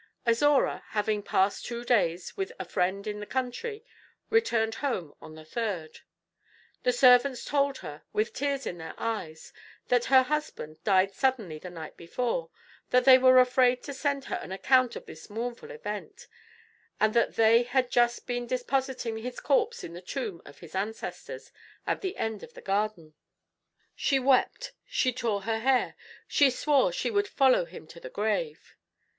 Azora, having passed two days with a friend in the country, returned home on the third. The servants told her, with tears in their eyes, that her husband died suddenly the night before; that they were afraid to send her an account of this mournful event; and that they had just been depositing his corpse in the tomb of his ancestors, at the end of the garden. She wept, she tore her hair, and swore she would follow him to the grave.